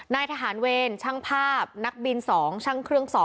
นายทหารเวรช่างภาพนักบิน๒ช่างเครื่อง๒